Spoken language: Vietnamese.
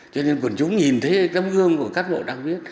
cho nên quần chúng nhìn thấy tấm gương của cán bộ đảng viên